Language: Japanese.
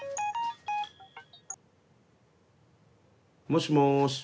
もしもし。